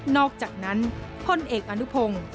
อกจากนั้นพลเอกอนุพงศ์